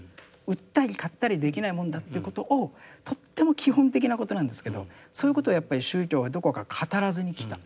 売ったり買ったりできないもんだということをとっても基本的なことなんですけどそういうことをやっぱり宗教はどこか語らずにきた。